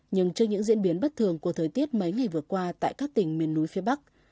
nhưng trước những diễn biến bất thường của thời tiết mấy ngày vừa qua tại các tỉnh miền núi phía bắc